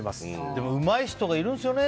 でも、うまい人がいるんですよね。